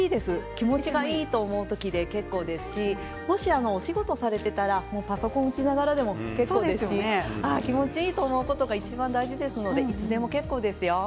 気持ちがいい時で結構ですしもし、お仕事されていたらパソコンを打ちながらでも結構ですし気持ちいいと思うことがいちばん大事ですのでいつでも結構ですよ。